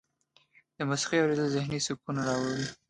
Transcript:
د موسیقۍ اوریدل ذهني سکون راوړي.